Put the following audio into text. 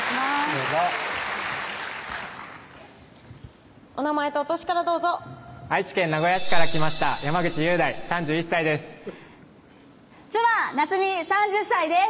どうぞお名前とお歳からどうぞ愛知県名古屋市から来ました山口雄大３１歳です妻・菜摘３０歳です！